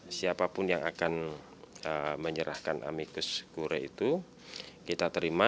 siapapun yang akan menyerahkan amicus kure itu kita terima